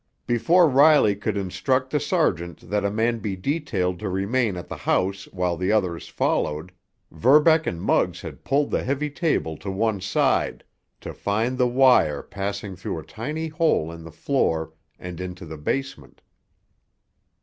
Before Riley could instruct the sergeant that a man be detailed to remain at the house while the others followed, Verbeck and Muggs had pulled the heavy table to one side—to find the wire passing through a tiny hole in the floor and into the basement.